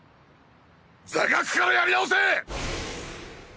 座学からやり直せ！！